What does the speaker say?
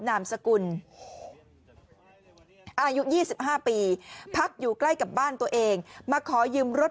นามสกุลอายุ๒๕ปีพักอยู่ใกล้กับบ้านตัวเองมาขอยืมรถ